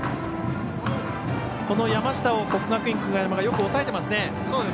この山下を国学院久我山がよく抑えていますね。